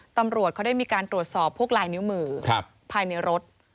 ตำรวจเขาได้มีการตรวจสอบพวกลายนิ้วมือภายในรถ